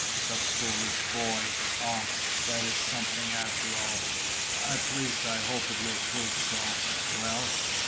"The foolish boy? Ah, that is something after all, at least, I hope it will prove so. Well?"